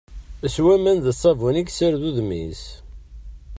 S waman d ssabun i yessared udem-is.